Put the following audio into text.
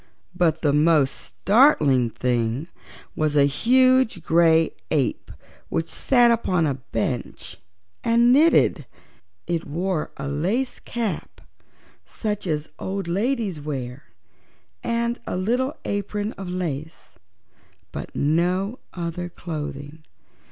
But the most startling thing was a huge gray ape which sat upon a bench and knitted. It wore a lace cap, such as old ladies wear, and a little apron of lace, but no other clothing.